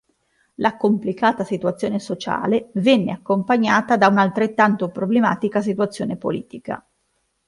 La complicata situazione sociale venne accompagnata da una altrettanto problematica situazione politica.